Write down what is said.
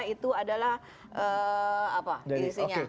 itu adalah apa